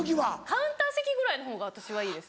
カウンター席ぐらいの方が私はいいです。